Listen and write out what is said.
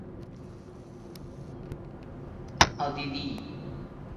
比克费尔德附近哈斯劳是奥地利施蒂利亚州魏茨县的一个市镇。